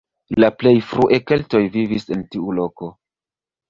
La plej frue keltoj vivis en tiu loko.